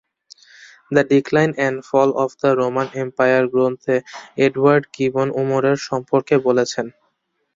the decline and fall of the Roman empire গ্রন্থে Edward Gibbon উমরের সম্পর্কে বলেছেন: